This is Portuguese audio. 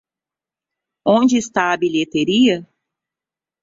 Onde está a bilheteria?